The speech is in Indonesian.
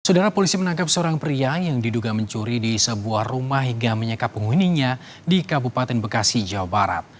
saudara polisi menangkap seorang pria yang diduga mencuri di sebuah rumah hingga menyekap penghuninya di kabupaten bekasi jawa barat